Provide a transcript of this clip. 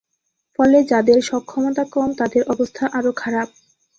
ফলে যাদের সক্ষমতা কম, তাদের অবস্থা আরও খারাপ।